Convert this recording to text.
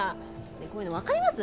こういうのわかります？